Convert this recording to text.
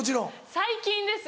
最近です。